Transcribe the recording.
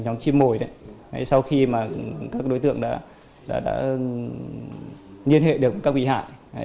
nhóm chim mồi sau khi các đối tượng đã liên hệ được với các bị hại